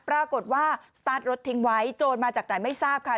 ปรากฏว่าสตาร์ทรถทิ้งไว้โจรมาจากไหนไม่ทราบค่ะ